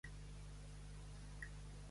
Pet amb cua.